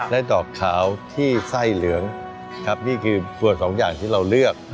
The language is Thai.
และดอกขาวที่ไส้เหลืองครับนี่คือส่วนสองอย่างที่เราเลือก